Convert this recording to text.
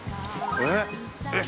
えっ？